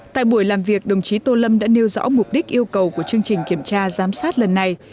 tại buổi làm việc đồng chí tô lâm đã nêu rõ mục đích yêu cầu của chương trình kiểm tra giám sát lần này